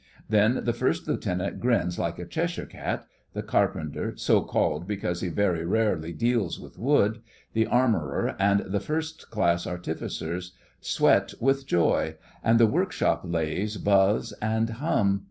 Then the First Lieutenant grins like a Cheshire cat; the carpenter, so called because he very rarely deals with wood, the armourer and the first class artificers sweat with joy, and the workshop lathes buzz and hum.